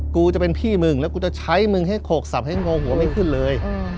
กูจะเป็นพี่มึงแล้วกูจะใช้มึงให้โขกสับให้โงหัวไม่ขึ้นเลย